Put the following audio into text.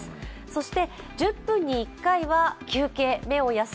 そして、１０分に１回は休憩。